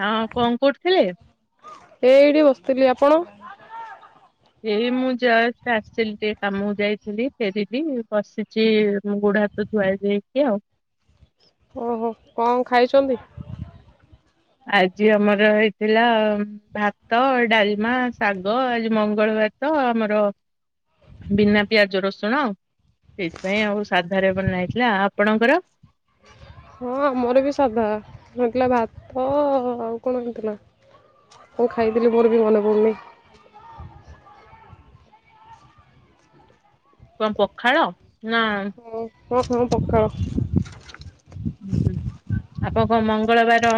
ହଁ କଣ କୋଉଠିଥିଲେ। ଏ ଏଇଠି ବସିଥିଲି ଆପଣ। ଏଇ ମୁଁ ଯଷ୍ଟ ଆସିଲି ଟିକେ କାମକୁ ଯାଇଥିଲି ଫେରିଲି ବସିଛି ମୁ ବୁଢା। ତ ଧୁଆ ଧୁିଇ ହେଇକି। ଓହୋ କଣ ଖାଇଛନ୍ତି। ଆଜି ଆମର ହେଇଥିଲା ଭାତ, ଡାଲମା, ଶାଗ, ଆଜି ମଙ୍ଗଳବାର ତ ଆମର। ବିନା ପିଆଜ ରସୁଣ ସେଇଥିପାଇଁ ଆଉ ସାଧାରେ ବନା ହେଇଥିଲା, ଆପଣଙ୍କର? ହଁ ଆମର ବି ସାଧା, ହେଇଥିଲା ଭାତ ଆଉ କଣ ହେଇଥିଲା ମୁଁ ଖାଇଥିଲି ମୋର ବି ମନେ ପଡୁନି। କଣ ପଖାଳ, ନା ହଁ-ହଁ-ହଁ ପଖାଳ। ଆପଣଙ୍କ ମଙ୍ଗଳବାର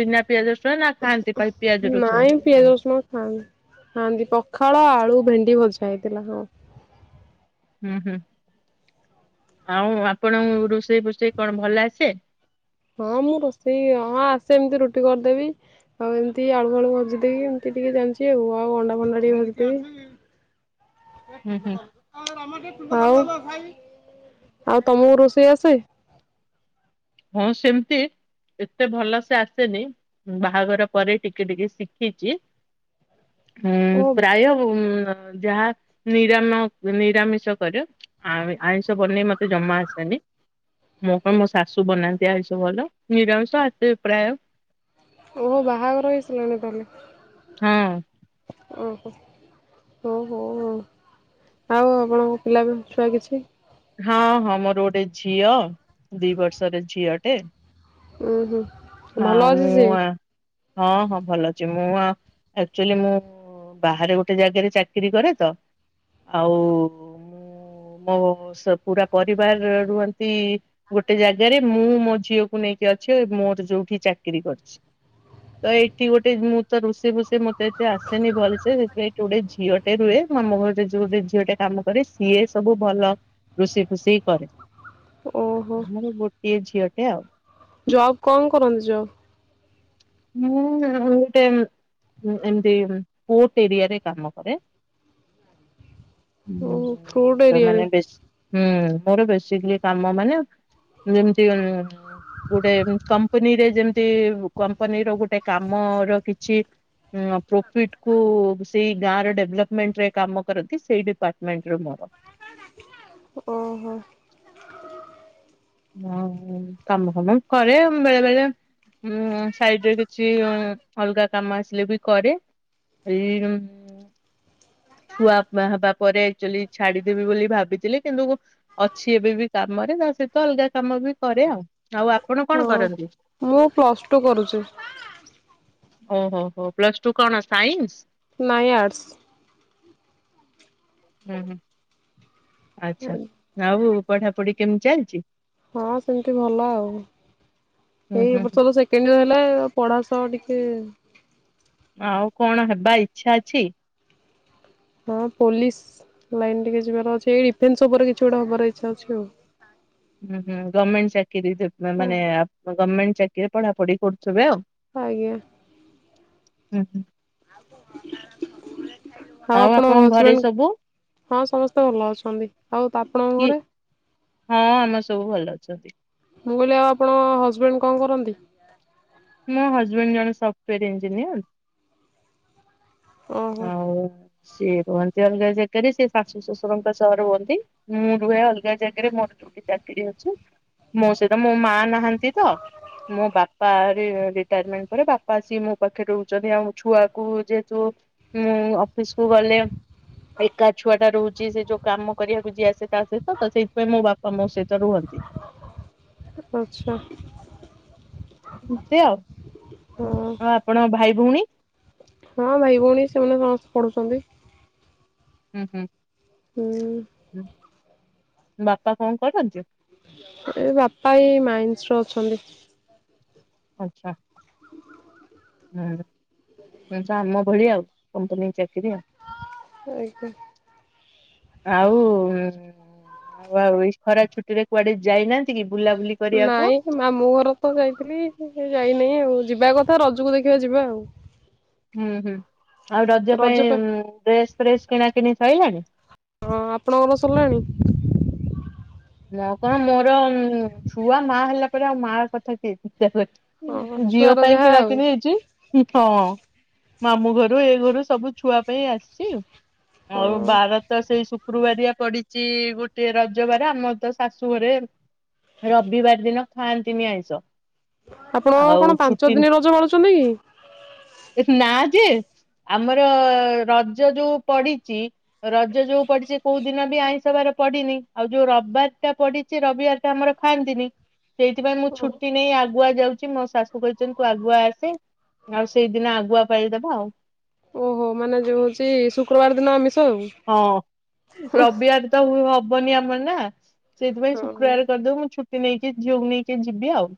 ବିନା ପିଆଜ ରସୁଣ ନା ଖାଆନ୍ତି ପା- ପିଆଜ ରସୁଣ ନାଇଁ ପିଆଜ, ରସୁଣ ଖାଆନ୍ତି। ଖାଆନ୍ତି ପଖାଳ ଆଳୁ ଭେଣ୍ଡି ଭଜା ହେଇଥିଲା ହଁ। ହୁଁ-ହୁଁ, ଆଉ ଆପଣଙ୍କୁ ରୋଷେଇ ଫୋଷେଇ କଣ ଭଲ ଆସେ? ହଁ ମୁଁ ରୋଷେଇ ହଁ ଆସେ, ଏମ୍ତି ରୁଟି କରିଦେବି। ଆଉ ଏମ୍ତି ଆଳୁ ଫାଳୁ ଭଜି ଦେଇକି ଏମ୍ତି ଟିକେ ଜାଣିଚି ଆଉ, ଆଉ ଅଣ୍ଡା ଫଣ୍ଡା ଟିକେ [unintelligible] କେ ଚ ହୁଁ ହୁଁ କର ଆଉ, ଆଉ ତମୁକୁ ରୋଷେଇ ଆସେ? ହଁ ସେମ୍ତି। ଏତେ ଭଲସେ ଆସେନି, ବାହାଘର ପରେ ଟିକେ-ଟିକେ ଶିଖିଚି। ହଁ ଓ ପ୍ରାୟ ଯାହା ନିରାମ ନିରାମିଷ କରେ। ଆଉ ଆଇଁଷ ବନେଇ ମତେ ଜମା ଆସେନି, ମୁଁ କଣ ମୋ ଶା ଶୁ ବନାନ୍ତି ଆଇଁଷ ଭଲ, ନିରାମଷ ଆସେ ପ୍ରାୟ। ଓହୋ ବାହାଘର ହେଇସାରିଲାଣି ତାହଲେ। ହଁ ଓହୋ ହଉ-ହଉ ଆଉ, ଆଉ ଆପଣଙ୍କ ପିଲା ବି ଛୁଆ କିଛି? ହଁ-ହଁ ମୋର ଗୋଟେ ଝିଅ, ଦି ବର୍ଷର ଝିଅଟେ। ଉଁ ହୁଁ ଭଲ ହଁ ଅଛି ମୁଁ ସେ ଆଁ ହଁ-ହଁ ଭଲ ଅଛି, ମୁଁ ଆଁ ଆକଚୁଆଲି ମୁଁ ବାହାରେ ଗୋଟେ ଜାଗାରେ ଚାକିରି କରେ ତ, ଆଉ ମୋ ପୁରା ପରିବାର ରୁହନ୍ତି ଗୋଟେ ଜାଗାରେ ମୁଁ ମୋ ଝିଅକୁ ନେଇକି ଅଛି ମୋର ଯୋଉଠି ଚାକିରି କରିଛି। ହ ତ ଏଇଠି ଗୋଟେ ମୁଁ ତ ରୋଷେଇ ଫୋଷେଇ ମତେ ଏତେ ଆସେନି ଭଲସେ ସେଇଥିପାଇଁ ଏଇଠି ଗୋଟେ ଝିଅ ଟେ ରୁହେ, ଆମ ଘରରେ ଯୋଉ ଗୋଟେ ଝିଅଟେ କାମ କରେ ସିଏ ସବୁ ଭଲ ରୋଷେଇ ଫୋସେଇ କରେ, ଓହୋ ମୋର ଗୋଟିଏ ଝିଅଟେ ଆଉ। ଜବ୍ କଣ କରନ୍ତି ଜବ୍? ମୁଁ ଗୋଟେ ଏମ୍ତି ପୋର୍ଟ ଏରିଆରେ କାମ କରେ। ଓହୋ [unintelligible] ମୋର ଏରିଆ ମାନେ ରେ। ବେଶୀ ହୁଁ ମୋର ବେସିକ୍ଲି କାମ ମାନେ ଯେମ୍ତି ଗୋଟେ କମ୍ପାନୀରେ ଯେମ୍ତି କମ୍ପାନୀ ର ଗୋଟେ କାମ ର କିଛି ପ୍ରୋଫିଟ୍ କୁ ସେଇ ଗାଁ ର ଡେଭ୍ଲପମେଣ୍ଟରେ କାମ କରନ୍ତି ସେଇ ଡିପାର୍ଟମେଣ୍ଟରେ ମୋର। ଓହୋ। କାମ ଫାମ କରେ, ବେଳେ-ବେଳେ ଉଁ ସାଇଡ୍ ରେ କିଛି ଅଲଗା କାମ ଆସିଲେ ବି କରେ। [unintelligible] ଛୁଆ ଫୁଆ ହବା ପରେ ଆକ୍ଚୁଆଲି ଛାଡିଦେବି ବୋଲି ଭାବିଥିଲି କିନ୍ତୁ ଅଛି ଏବେ ବି କାମରେ ତା ସହିତ ଅଲଗା କାମ ବି କରେ ଆଉ, ଆଉ କଣ କରନ୍ତି ହଁ ମୁଁ ପ୍ଲସ୍ ଟୁ କରୁଚି। ଓହୋ ହୋ ପ୍ଲସ ଟୁ କଣ ସାଇନ୍ସ? ନାଇଁ ଆର୍ଟ୍ସ। ହୁଁ-ହୁଁ। ଆଚ୍ଛା, ଆଉ ପଢାପଢି କେମିତି ଚାଲିଚି? ହଁ ସେମ୍ତି ଭଲ ଆଉ, ହୁଁ ଏଇ ହୁଁ ହୁଁ। ଏବର୍ଷ ତ ସେ [unintelligible] ହେଲେ ପଢା ସହ ଟିକେ ଆଉ କଣ ହେବା ଇଚ୍ଛା ଅଛି? ହଁ ପୋଲିସ ଲାଇନ୍ ଟିକେ ଯିବାର ଅଛି ଏଇ ରିଫେନ୍ସ ଉପରେ କିଛି ଗୋଟେ ହେବାର ଇଚ୍ଛା ଅଛି ଆଉ ହୁଁ ହୁଁ ଗମେଣ୍ଟ ଚାକିରି ମାନେ ଆ ଗମେଣ୍ଟ ଚାକିରିରେ ପଢାପଢି କରୁଥିବେ ଆଉ। ଆଜ୍ଞା। ହୁଁ ହଁ। ଆ ଆଉ ଆପଣଙ୍କ ହଜବେଣ୍ଡ ହଁ ସମସ୍ତେ ଭଲ ଅଛନ୍ତି। ଆଉ ଆପଣଙ୍କ କିଏ ଘରେ? ହଁ ଆମର ସବୁ ଭଲ ଅଛନ୍ତି। ମୁଁ କହିଲି ଆଉ ଆପଣ ହଜବେଣ୍ଡ କଣ କରନ୍ତି? ମୋ ହଜବେଣ୍ଡ ଜଣେ ସଫ୍ଟୱୋର୍ ଇଞ୍ଜିନିୟର। ଓହୋ ଆଉ ସିଏ ରୁହନ୍ତି ଅଲଗା ଜାଗକାରେ ସେ ଶାଶୁ ଶ୍ୱଶୁରଙ୍କ ସହରେ ରୁହନ୍ତି। ମୁଁ ରୁହେ ଅଲ ଗା ଜାଗାରେ ମୋର ଟିକେ ଚାକିରି ଅଛି। ମୋ ସହିତ ମୋ ମା ନାହାନ୍ତି ତ ମୋ ବାପା ସେ ରିଟାଏଡ଼ମେଣ୍ଟ ପରେ ବାପା ଆସିକି ମୋ ପାଖରେ ରହୁଚନ୍ତି। ଆଉ ଛୁଆକୁ ଯେହେତୁ ମୁଁ ଅଫିସକୁୁ ଗଲେ ଏକା ଛୁଆ ଟା ରହୁଛି ସେ ଯୋଉ କାମ କରିବାକୁ ଯିଏ ଆସେ ତା ସହିତ ତ ସେଇଥିପାଇଁ ମୋ ବାପା ମୋ ସହିତ ରୁହନ୍ତି। ଆଚ୍ଛା। ଏମତି ଆଉ। ହଁ। ଆଉ ଆପଣଙ୍କ ଭାଇ ଭଉଣୀ? ହଁ ଭାଇ ଭଉଣୀ ସେମାନେ ସମସ୍ତେ ପଢୁଚନ୍ତି। ହୁଁ ହୁଁ। ହୁଁ। ବାପା କଣ କରନ୍ତି? ଏ ବାପା ଏଇ ମାଇନ୍ସରେ ଅଛନ୍ତି। ଆଛା। ହୁଁ [unintelligible] ଆମ ଭଳିଆ ଆଉ କମ୍ପାନୀ ଚାକିରି ଆଉ। ଆଜ୍ଞା। ଆଉ ଉମ ଆଉ ଏଇ ଖରା ଛୁଟି ରେ କୁଆଡେ ଯାଇନାଆନ୍ତି କି ବୁଲାବୁଲି କରିବାକୁ? ନାଇଁ ମାମୁଁ ଘର ତ ଯାଇଥିଲି ଯାଇନହିଁ ଆଉ ଯିବା କଥା ରଜକୁ ଦେଖିବା ଯିବା ଆଉ। ହୁଁ ହୁଁ ଆଉ ରଜ ପାଇଁ ଡ୍ରେସ ଫ୍ରେସ୍ କିଣା କିଣି ସଇଲାଣି? ହଁ। ଆପଣଙ୍କର ସରିଲାଣି? ମୁଁ କଣ ମୋର ଛୁଆ ମା ହେଲା ପରେ ଆଉ ମା କଥା କିଏ ଚିନ୍ତା ହଁ କରେ। ଝିଅ ଛୁଆର ପାଇଁ ଯାହା କିଣା ଆଉ କିଣି ହେଇଚି ହଁ ମାମଁ ଘରୁ ଏ ଘରୁ ସବୁ ଛୁଆ ପାଇଁ ଆସିଚି। ଆଉ ହଁ ବାର ତ ସେଇ ଶୁକ୍ରୁବାରିଆ ପଡିଚି ଗୋଟେ ରଜବାର ଆମ ତ ଶାଶୁ ଘରେ ରବିବାର ଦିନ ଖାଆନ୍ତିନି ଆଇଁଷ। ଆପଣ ଆଉ କଣ ପାଞ୍ଚ ଛୁଟି ଦିନି ରଜ ପାଳୁଚନ୍ତି କି? ନା ଯେ ଆମର ରଜ ଯୋଉ ପଡିଚି ରଜ ଯୋଉ ପଡିଚି କୋଉ ଦିନ ବି ଆଇଁଷ ବାର ପଡିନି। ଆଉ ଯୋଉ ରବିବାର ଟା ପଡିଚି ରବିବାର ଟା ଆମର ଖାଆନ୍ତିନି ସେଇଥିପାଇଁ ମୁଁ ଛୁଟି ନେଇ ଆଗୁଆ ଯାଉ ଚି ମୋ ଶାଶୁ କହିଚନ୍ତି ତୁ ଆଗୁଆ ଆସେ ଆଉ ସେଇଦିନ ଆଗୁଆ ପାଳିଦବା ଆଉ ଓହୋ ମାନେ ଯୋଉ ହଉଚି ଶୁକ୍ରବାର ଦିନ ଆମିଷ ଆଉ। ହଁ ରବିବାର ତ ହବନି ଆମର ନା ସେଇଥିପାଇଁ ହଁ ଶୁକ୍ରବାର କରିଦବୁ ମୁଁ ଛୁଟି ନେଇକି ଝିଅକୁ ନେଇକି ଯିବି ଆଉ।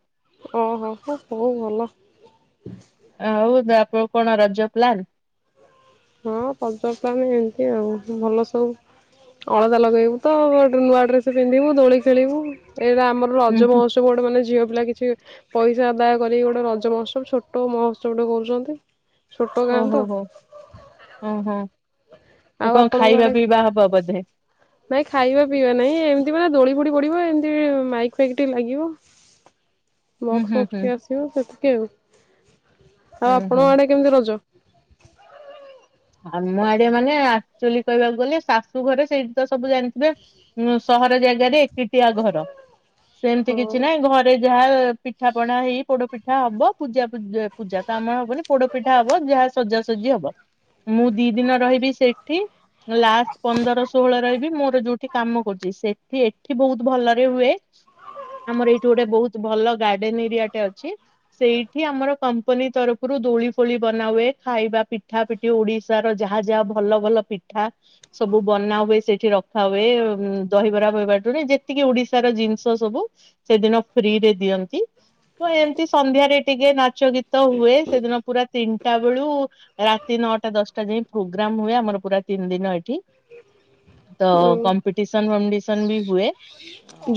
ଓହୋ। ହଁ ହୋଉ ଭଲ। ଆଉ ତ [unintelligible] କଣ ରଜ ପ୍ଲାନ? ହଁ ପଜ ପ୍ଲାନ ଏମିତି ଆଉ ଭଲ ସବୁ। ଅଳତା ଲଗେଇବୁ ତ ଗୋଟେ ନୂଆ ଡ୍ରେସ ପିନ୍ଧିବୁ ଦୋଳି ଖେଳିବୁ ଏଇଟା ଆମର ହୁଁ ରଜ ହୁଁ ମହୋତ୍ସ ତ ବୋଡ ମାନେ ଝିଅ ପିଲା କିଛି ପଇସା ଆଦାୟ କରିକି ଗୋଟେ ରଜ ମହୋତ୍ସବ ଛୋଟ ମହୋତ୍ସବ ଟେ କରୁଚନ୍ତି। ଓ ହୋ ହୋ ହ ହୋ। ଆଉ ଆପଣଙ୍କ ଆଡେ ନାଇଁ ଖାଇବା ପିଇବା ନାଇଁ। ଏମିତି ମାନେ ଦୋଳି ଫୋଡି ପଡିବ। ଏମିତି ମାଇକ ଫାଇକ ଟିକେ ଲାଗିବ। [inaudible] ହୁଁ ବକ୍ସ ହୁଁ ହୁଁ। ଫକ୍ସେ ଆସିବ ସେତିକି ଆଉ ଆଉ ହୁଁ ହୁଁ ଆପଣଙ୍କ ଆଡେ କେମିତି ରଜ? ଆମ ଆଡେ ମାନେ ଆକ୍ଚୁଲି କହିବାକୁ ଗଲେ ଶାଶୁ ଘରେ ସେଇଠି ତ ସବୁ ଜାଣି ବେ ସହର ଜାଗାରେ ଏକିଟିଆ ଘର ସେମିତି ହଁ କିଛି ନାହିଁ ଘରେ ରେ ଯାହା ପିଠା ପଣା ହେଇ ପୋଡ ପିଠା ହବ ପୂଜା ପୂଜା ତ ଆମର ହବନି ପୋଡ ପିଠା ହବ ଯାହା ସଜାସଜି ହବ। ମୁଁ ଦି ଦିନ ରହିବି ସେଠି। ଲାଷ୍ଟ ପନ୍ଦର ଷୋହଳ ରହି ବି ମୋର ଯୋଉଠି କାମ କରୁଚି। ସେଠି ଏଠି ବହୁତ ଭଲରେ ହୁଏ। ଆମର ଏଇଠି ଗୋଟେ ବହୁତ ଭଲ ଗାର୍ଡେନ ଏରିଆଟେ ଅଛି। ସେଇଠି ଆମର କମ୍ପାନୀ ତରଫରୁ ଦୋଳି ଫୋଳି ବନାହୁଏ ଖାଇବା ପିଠା ପିଠ ଠି ଓଡିଶାର ଯାହା ଯାହା ଭଲ ଭଲ ପିଠା ସବୁ ବନା ହୁଏ। ସେଠି ରଖା ହୁଏ। ଦହିବରା ବହିବରାଠୁ ଯେତିକି ଓଡିଶାର ଜିନିଷ ସବୁ ସେଦିନ ଫ୍ରି ରେ ଦିଅନ୍ତି। ତ ଏମିତି ସନ୍ଧ୍ୟାରେ ଟିକେ ନାଚ ଗୀତ ହୁଏ। ସେଦିନ ପୁରା ତିନିଟା ବେଳୁ ରା ତି ନଅଟା ଦଶଟା ଯାଇ ପ୍ରୋଗ୍ରାମ ହୁଏ ଆମର ପୁରା ତିନି ଦିନ ଏଠି। ତ କମ୍ ପିଟିସନ ଡିସନ ବି ହୁଏ।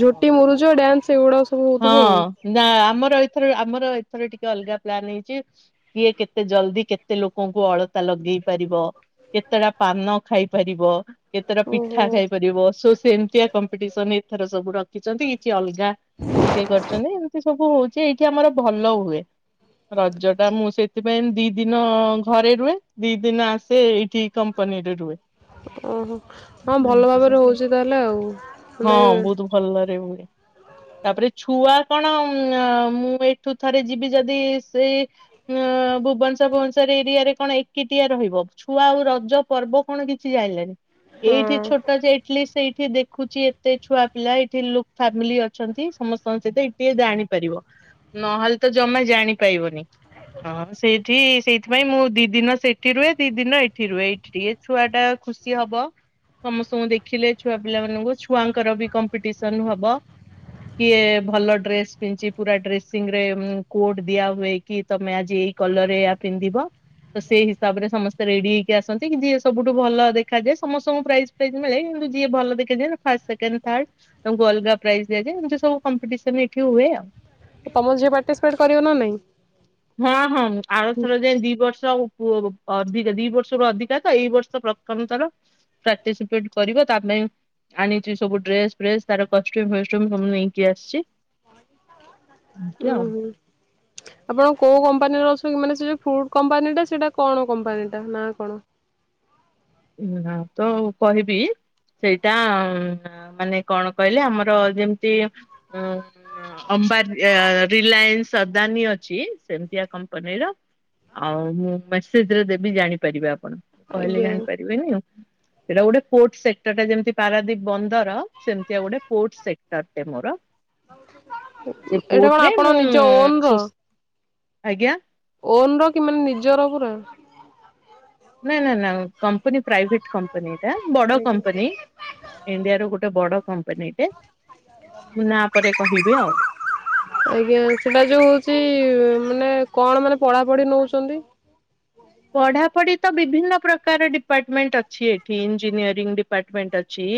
ଝୋଟି ମୁରୁଜ ଡ୍ୟାନ୍ସ ଏଗୁଡା ସବ୍ ହଁ ନା ଆମର ଏଥର ଆମର ଏଥର ଟିକେ ଅଲଗା ପ୍ଲାନ ହେଇଚି। କିଏ କେତେ ଜଲଦି କେତେ ଲୋକଙ୍କୁ ଅଳତା ଲଗେଇ ପାରିବ। କେତେଟା ପାନ ଖାଇ ପାରିବ। କେତେଟ ପିଠା ଓହୋ ଖାଇପାରିବ, ସୋ ସେମତିଆ କମ୍ପିଟିସନ ଏଥର ସବୁ ରଖିଚନ୍ତି। କିଛି ଅଲଗା ଟିକେ କରିଚନ୍ତି। ଏମିତି ସବୁ ହଉଚି ଏଇଠି ଆମର ଭଲ ହୁଏ। ରଜ ଟା ମୁଁ ସେଥିପାଇଁ ଦି ଦିନ ଘରେ ରୁହେ। ଦି ଦିନ ଆସେ ଏଇଠି କମ୍ପାନୀରେ ରୁହେ। ଓହୋ ହଁ ଭଲ ଏମିତି ଭାବରେ ସବୁ ହଉଚି ତାହେଲେ ଆଉ ହଁ ମାନେ ବହୁତ ଭଲରେ ହୁଏ। ତାପରେ ଛୁଆ କଣ ଅ ମୁଁ ଏଠୁ ଥରେ ଯିବି ଯଦି ସେ ଅ ଭୁବନେଶ୍ୱର ଭୁବନେଶ୍ଵର ଏରିଆରେ କଣ ଏକିଟିଆ ରହିବ? ଛୁଆ ଆଉ ରଜ ପର୍ବ କଣ କିଛି ଜାଣିଲାଣି। ହଁ ଏଇଠି ଛୋଟ ଯେ ଟଲିଷ୍ଟ ସେଇଠି ଦେଖୁଚି ଏତେ ଛୁଆ ପିଲା ଏଇଠି ଲୁ ଫାମିଲି ଅ ଛନ୍ତି ସମସ୍ତଙ୍କ ସହିତ ଏଇ ଟ ଟିକେ ଜାଣିପାରିବ ନହେଲେ ତ ଜମା ଜାଣିପାରିବନି। ହଁ ସେଇଠି ସେଇଥିପାଇଁ ମୁଁ ଦି ଦିନ ସେଇଠି ରୁହେ, ଦି ଦିନ ଏଇଠି ରୁହେ। ଏଇଠି ଟିକେ ଛୁଆ ଟା ଖୁସି ହବ। ସମସ୍ତଙ୍କୁ ଦେଖିଲେ ଛୁଆ ପିଲା ମାନଙ୍କୁ। ଛୁଆଙ୍କର ବି କମ୍ପିଟିସନ ହବ। କିଏ ଭଲ ଡ୍ରେସ ପିନଚି। ପୁରା ଡ୍ରେସିଂ ରେ କୋଡ ଦିଆ ହୁଏ କି ତମେ ଆଜି ଏଇ କଲର ଏୟା ପିନ୍ଧିବ। ତ ସେଇ ହିସାବରେ ସମସ୍ତେ ରେଡି ହେଇକି ଆସନ୍ତି। କି ଯିଏ ସବୁଠୁ ଭଲ ଦେଖାଯାଏ ସମସ୍ତଙ୍କୁ ପ୍ରାଇସ୍ ଜ ମିଳେ କିନ୍ତୁ ଯିଏ ଭଲ ଦେଖ ଯାଏ, ତାକୁ ଫାଷ୍ଟ ସେକେଣ୍ଡ ଥାଡ ତାଙ୍କୁ ଅଲଗା ପ୍ରାଇଜ ଦିଆଯାଏ। ଏମତି ସବୁ କମ୍ପିଟିସନ ଏଠି ହୁଏ ଆଉ। ଏ ତମ ଝିଅ ପାର୍ଟିସିପେଟ କରିବ ନା ନାଇଁ? ହଁ ହଁ ଆର ଥର ଯାଏ ଦି ବର୍ଷ ଅ ଅ ଅଧିକା ତ ଦି ବର୍ଷରୁ ଅଧିକା ତ ଏଇ ବର୍ଷ ପ୍ର ଥମ ଥର ପାର୍ଟିସିପେଟ କରିବ ତା ପାଇଁ ଆଣିଚି ସବୁ ଡ୍ରେସ ଫ୍ରେସ ତାର କଷ୍ଟ୍ୟୁମ ଫଷ୍ଟ୍ୟୁମ ସବୁ ନେଇକି ଆସିଚି। ଉ ହୁଁ। ଆପଣ କୋଉ କମ୍ପାନୀର ଅଛନ୍ତି? ମାନେ ସେ ଯୋଉ ଫ୍ରୁଟ କମ୍ପାନୀଟା ସେଇଟା କଣ କମ୍ପାନୀଟା ନା କଣ? [unintelligible] ତ କହିବି ସେଇଟା ମାନେ କଣ କହିଲେ ଆମର ଯେମିତି ଅମ୍ବାନ ରିଲାଏନ୍ସ ଅଦାନୀ ଅଛି ସେମିତିଆ କମ୍ପାନୀର। ଆଉ ମୁଁ ମେସେଜରେ ଦେବି ଜାଣିପାରିବେ ଆପଣ, କହିଲେ ଆଜ୍ଞା ଜାଣିପାରିବେନି। ସେଇଟା ଗୋଟେ ପୋର୍ଟ ସେକ୍ଟର ଟା ଯେମିତି ପାରାଦ୍ଵୀପ ବନ୍ଦର ସେମିତିଆ ଗୋଟେ ପୋର୍ଟ ସେକ୍ଟର ଟେ ମୋର। ସେ ଏଇଟା କଣ ପୋର୍ଟ ରେ ଆପଣ ମୁଁ ନିଜ ଓନ ସୁ ଆଜ୍ଞା। ଓନ୍ ର କି ମାନେ ନିଜର ପୁରା? ନା ନା ନା କମ୍ପନୀ ପ୍ରାଇଭେଟ୍ କମ୍ପ କମ୍ପାନୀ ଏଟା ବଡ ଆଜ୍ଞା କମ୍ପାନୀ ଇଣ୍ଡିଆର ଗୋଟେ ବଡ କମ୍ପାନୀଟେ। ମୁଁ ନାଁ ପରେ କହିବି ଆଉ। ଆଜ୍ଞା ସେଟା ଯୋଉ ହଉଚି ମାନେ କଣ ମାନେ ପଢା ପଢି ନଉଚନ୍ତି? ପଢ଼ାପଢି ତ ବିଭିନ୍ନ ପ୍ରକାର ଡିପାର୍ଟମେଣ୍ଟ ଅଛି ଏଠି ଇଞ୍ଜିନିୟରିଂ ଡିପାର୍ଟମେଣ୍ଟ ଅଛି।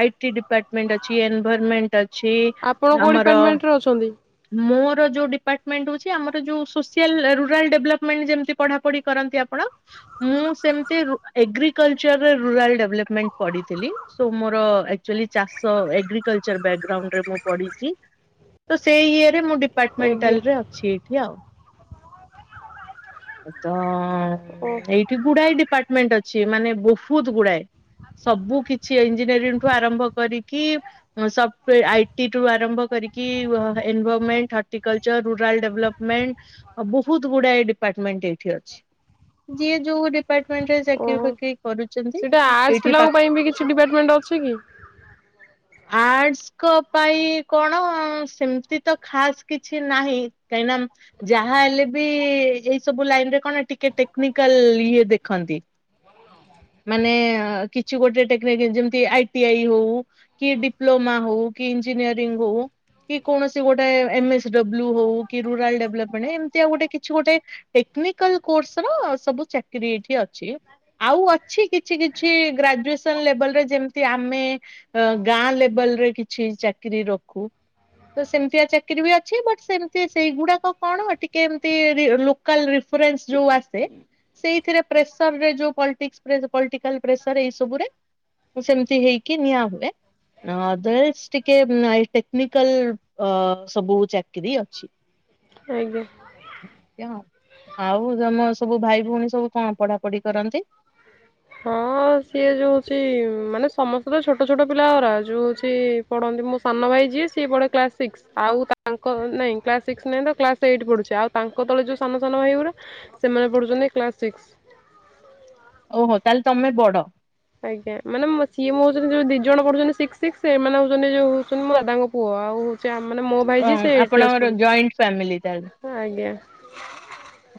ଆଇଟି ଡିପାର୍ଟମେଣ୍ଟ ଅଛି। ଏନଭରମେଣ୍ଟ ଅଛି। ଆପଣ କୋଉ ଆମର ଡିପାର୍ଟମେଣ୍ଟରେ ଅଛନ୍ତି? ମୋର ଯୋଉ ଡିପାର୍ଟମେଣ୍ଟ ହଉଚି ଆମର ଯୋଉ ସୋସିଆଲ୍ ରୁରାଲ୍ ଡେଭଲପମେଣ୍ଟ ଯେମିତି ପଢାପଢି କରନ୍ତି ଆପଣ ମୁଁ ସେମତି ରୁ ଏଗ୍ରିକଲଚର ରୁରାଲ୍ ଡେଭଲପମେଣ୍ଟ ପଢିଥିଲି। ସୋ ମୋର ଆକଚୁଆଲି ଚାଷ ଏଗ୍ରିକଲ୍ଚର ବ୍ୟାଗ୍ରାଉଣ୍ଡରେ ମୁଁ ପଢିଚି। ତ ସେଇ ଇଏରେ ମୁଁ ଆଜ୍ଞା ଡିପାର୍ଟମେଣ୍ଟାଲ ରେ ଅଛି ଏଇଠି ଆଉ। ତ ଓ ଏଇଠି ଗୁଡାଏ ଡିପାର୍ଟମେଣ୍ଟ ଅଛି ମାନେ ବହୁତ୍ ଗୁଡାଏ। ସବୁ କିଛି ଇଞ୍ଜିନିୟରିଂ ଠୁ ଆରମ୍ଭ କରିକି ସଫ୍ଟ ଆଇଟି ରୁ ଆରମ୍ଭ କରିକି ଏନଭରମେଣ୍ଟ ହର୍ଟିକଲଚର ରୁରାଲ୍ ଡେଭଲପ ମେଣ୍ଟ ବହୁତ ଗୁଡା ଡିପାର୍ଟମେଣ୍ଟ ଏଇଠି ଅଛି। ଯିଏ ଯୋଉ ଡି ଡିପାର୍ଟମେଣ୍ଟ ରେ ଓ ସେଟା ଆର୍ଟସ ଏଇଠି ପା ପିଲାଙ୍କ ପାଇଁ ବି କିଛି ଡିପାର୍ଟମେଣ୍ଟ ଅଛି କି? ଆର୍ଟସ୍ ଙ୍କ ପାଇଁ କଣ ସେମିତି ତ ଖାସ୍ କିଛି ନାହିଁ। କାହିଁକି ନା ଯାହା ହେଲେ ବି ଏଇ ସବୁ ଲାଇନରେ କଣ ଟିକେ ଟେକ୍ନିକାଲ ଇଏ ଦେଖ୍ ଖନ୍ତି। ମାନେ କିଛି ଗୋଟେ ଟେକ୍ନନିକ୍ ଯେମିତି ଆଇଟି ଆଇ ହଉ କି ଡିପ୍ଲୋମା ହଉ କି ଇଞ୍ଜିନିୟରିଙ୍ଗ ହଉ କି କୌଣସି ଗୋଟେ ଏମ ଏସ୍ ଡବ୍ଲୁ ହଉ କି ରୁରାଲ ଡେଲପମେଣ୍ଟ ଏମତି ଆଉ ଗୋଟେ କିଛି ଗୋଟେ ଟେ ଟେକ୍ନିକାଲ କୋ କୋର୍ସ ର ସବୁ ଚାକିରି ଏଠି ଅଛି। ଆଉ ଅଛି କିଛି କିଛି ଗ୍ରାଜୁଏସନ୍ ଲେବଲର ଯେମତି ଆପ୍ ଆମେ ଗାଁ ଲେବଲ୍ ରେ କିଛି ଚାକିରି ରଖୁ। ତ ସେମିତିଆ ଚାକିରି ବି ଅଛି। ବଟ୍ ସେମିତି ସେଇଗୁଡାକ କଣ ଟିକେ ଏମତି ଲୋକାଲ୍ ରି ରେଫରେନ୍ସ ଯୋଉ ଆସେ ସେଇଥିରେ ପ୍ରେସର ରେ ଯୋଉ ପଲ୍ଟିକ୍ସ ପଲିଟିକାଲ ପ୍ରେସର ଏଇ ସବୁରେ ମୁଁ ସେମତି ହେଇକି ନିଆଁ ହୁଏ। ନ ଓଦର୍ସ ଟିକେ ଟେକ୍ନିକାଲ୍ ଅ ସବୁ ଚା କିରି ଅଛି। ଆଜ୍ଞା। ଏମତି ଆଉ। ଆଉ ତମ ସବୁ ଭାଇ ଭଉଣୀ ସବୁ କଣ ପଢା ପଢି କରନ୍ତି? ହଁ ସିଏ ଯୋଉ ହଉଚି ମାନେ ସମସ୍ତେ ତ ଛୋଟ ଛୋଟ ପିଲା ଗୁ। ଯୋଉ ହଉଚି ପଢନ୍ତି ମୋ ସାନ ଭାଇ ଯିଏ ସିଏ ପଢେ କ୍ଲାସ୍ ସିକ୍ସ। ଆଉ ତାଙ୍କ ନାଇଁ କ୍ଲାସ୍ ସିକ୍ସ ନାଇଁ ତ କ୍ଲାସ୍ ଏଇଟ୍ ପଢୁଚି। ଆଉ ତାଙ୍କ ତଳେ ଯୋଉ ସାନ ସାନ ଭାଇ ଗୁରା ସେମାନେ ପଢୁଛନ୍ତି କ୍ଲାସ୍ ସିକ୍ସ। ଓହୋ ତାହେଲେ ତମେ ବଡ? ଆଜ୍ଞା। ମାନେ ସିଏ ମୁ ହଉଛନ୍ତି ଯୋଉ ଦି ଜଣ ପଢୁଛନ୍ତି ସିକ୍ସ ସିକ୍ସ ସେମାନେ ହଉଛନ୍ତି ଯୋଉ ହଉଛନ୍ତି ମୋ ଦାଦାଙ୍କ ପୁଅ। ଆଉ ମାନେ ମୋ ଭାଇ ଯିଏ ସେ ଏଇଟ୍ କ୍ଲାସ୍ ଆପଣଙ୍କର ଜଏଣ୍ଟ ଫ୍ୟାମିଲି ତାହେଲେ ପଢୁଚି। ଆଜ୍ଞା।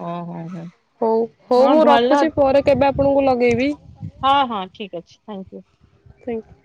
ଓହୋ ହଁ। ହଉ ହଉ ମୁଁ ଭଲ ରଖୁଚି ପରେ କେବେ ଆପଣଙ୍କୁ ଲଗେଇବି। ହଁ ହଁ ଠିକ୍ ଅଛି ଥ୍ୟାଙ୍କୟୁ। ଥ୍ୟାଙ୍କୟୁ।